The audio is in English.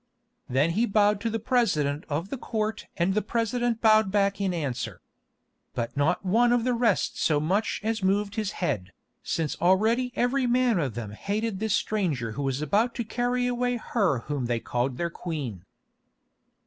Then he bowed to the President of the Court and the President bowed back in answer. But not one of the rest so much as moved his head, since already every man of them hated this stranger who was about to carry away her whom they called their Queen.